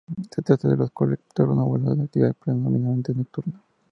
Se trata de un coleóptero no volador, de actividad predominantemente nocturna.